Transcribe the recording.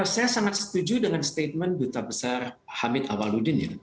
saya sangat setuju dengan statement duta besar hamid awaludin ya